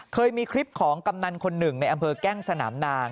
เคยมีคลิปของกำนันคนหนึ่งในอำเภอแก้งสนามนาง